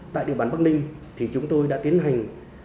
tại địa bàn bắc ninh thì chúng tôi đã tiến hành